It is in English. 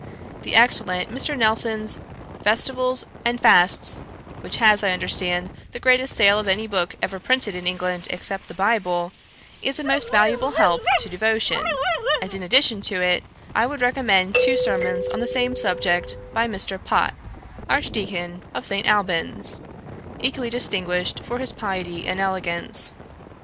The excellent Mr. Nelson's Festivals and Fasts, which has, I understand, the greatest sale of any book ever printed in England, except the Bible, is a most valuable help to devotion; and in addition to it I would recommend two sermons on the same subject, by Mr. Pott, Archdeacon of St. Alban's, equally distinguished for piety and elegance.